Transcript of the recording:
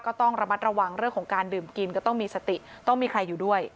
ก็ต้องระมัดระวังเรื่องของการดื่มกินก็ต้องมีสติต้องมีใครอยู่ด้วย